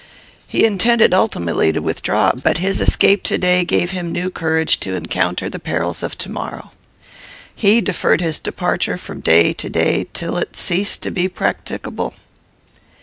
He intended ultimately to withdraw; but his escape to day, gave him new courage to encounter the perils of to morrow. He deferred his departure from day to day, till it ceased to be practicable."